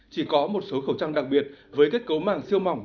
chỉ có một số khẩu trang đặc biệt với kết cấu màng siêu mỏng